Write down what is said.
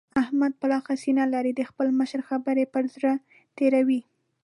احمد پراخه سينه لري؛ د خپل مشر خبرې پر زړه تېروي.